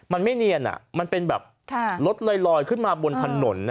มันไม่เนียนมันเป็นแบบรถลอยขึ้นมาบนถนน